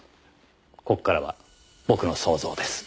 ここからは僕の想像です。